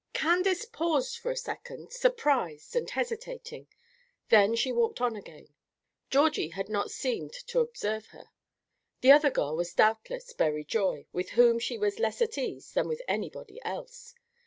CANDACE paused for a second, surprised and hesitating; then she walked on again. Georgie had not seemed to observe her. The other girl was doubtless Berry Joy, with whom she was less at ease than with anybody else.